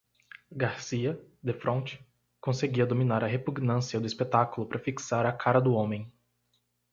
Garcia, defronte, conseguia dominar a repugnância do espetáculo para fixar a cara do homem.